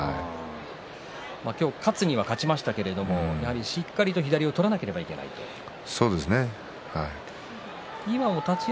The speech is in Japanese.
今日は勝つには勝ちましたけれど、しっかりと左を取れなければいけないということですね。